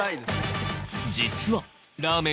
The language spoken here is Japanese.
実は。